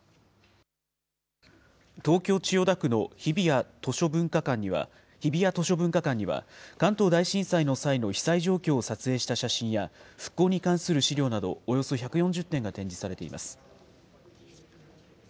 東京・千代田区の日比谷図書文化館には、関東大震災の際の被災状況を撮影した写真や、復興に関する資料など、およそ１４０点が展示されています。